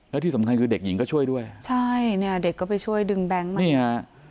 แล้วที่สำคัญคือเด็กหญิงก็ช่วยด้วยใช่เนี่ยเด็กก็ไปช่วยดึงแบงค์มานี่ฮะ